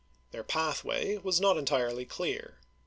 Their pathway was not entirely clear.